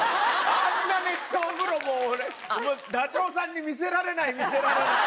あんな熱湯風呂、もう俺、ダチョウさんに見せられない、見せられない。